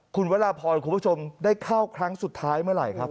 คุณวราพรคุณผู้ชมได้เข้าครั้งสุดท้ายเมื่อไหร่ครับ